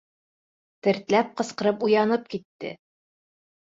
Тертләп ҡысҡырып уянып китте.